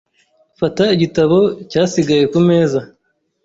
Fata igitabo cyasigaye kumeza.